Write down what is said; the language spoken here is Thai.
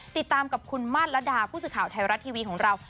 ติดตามกับคุณมาตรละดาผู้สื่อข่าวไทยรัฐทีวีของเรา